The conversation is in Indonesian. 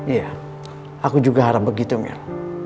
iya aku juga harap begitu mir